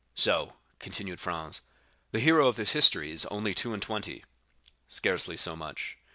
"So," continued Franz, "the hero of this history is only two and twenty?" "Scarcely so much."